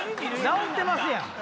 治ってますやん。